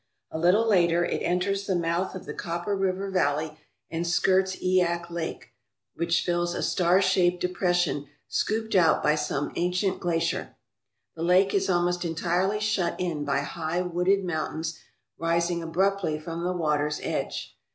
A little later it enters the mouth of the Copper River valley and skirts Eyak Lake, which fills a star shaped depression scooped out by some ancient glacier. The lake is almost entirely shut in by high wooded mountains rising abruptly from the water's edge.